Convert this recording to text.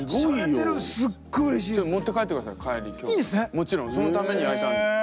もちろんそのために焼いたんで。